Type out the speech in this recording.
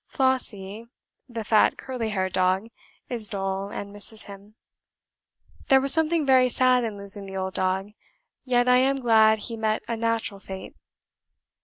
Flossy (the 'fat curly haired dog') is dull, and misses him. There was something very sad in losing the old dog; yet I am glad he met a natural fate.